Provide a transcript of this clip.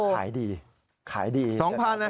ผมว่าขายดีขายดี๒๐๐๐บาทนะ